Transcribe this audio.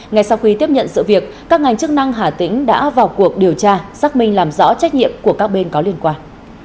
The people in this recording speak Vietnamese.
ngay sau khi tiếp nhận sự việc các ngành chức năng hà tĩnh đã vào cuộc điều tra xác minh làm rõ trách nhiệm của các bên có liên quan